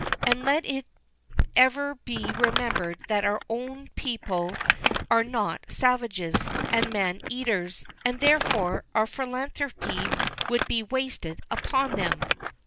And let it ever be remembered that our own people are not savages, and man eaters; and, therefore, our philanthropy would be wasted upon them.